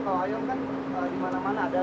kalau ayam kan di mana mana ada